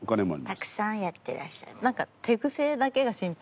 たくさんやってらっしゃる。